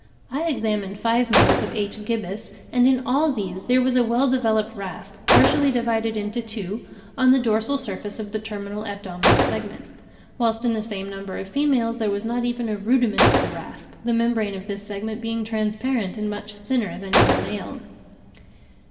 I examined five males of H. gibbus, and in all these there was a well developed rasp, partially divided into two, on the dorsal surface of the terminal abdominal segment; whilst in the same number of females there was not even a rudiment of the rasp, the membrane of this segment being transparent, and much thinner than in the male.